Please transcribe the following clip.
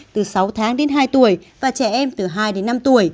từ sáu tháng đến hai tuổi và trẻ em từ hai đến năm tuổi